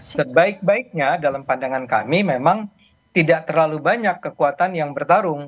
sebaik baiknya dalam pandangan kami memang tidak terlalu banyak kekuatan yang bertarung